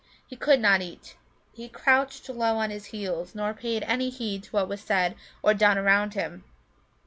He could not eat. He crouched low on his heels, nor paid any heed to what was said or done around him.